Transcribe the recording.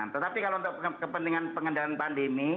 tetapi kalau untuk kepentingan pengendalian pandemi